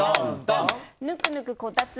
ぬくぬくこたつ。